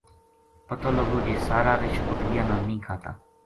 پتو لگو جے سارا رچھ بکریاں نا نیہہ کھاتا